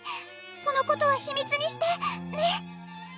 このことは秘密にして！ね！